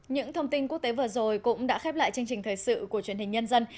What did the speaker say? những thông tin quốc tế vừa rồi cũng đã khép lại chương trình thời sự của truyền hình nhân dân